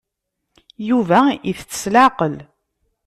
Yuba itett s leɛqel.